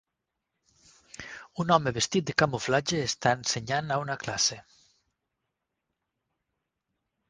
Un home vestit de camuflatge està ensenyant a una classe.